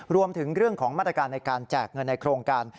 รวมถึงเรื่องของมาตรการในการแจกเงินในโครงการ